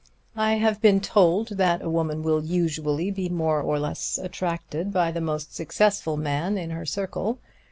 "I have been told that a woman will usually be more or less attracted by the most successful man in her circle.